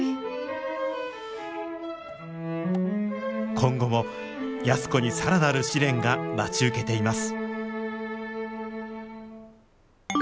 今後も安子に更なる試練が待ち受けています。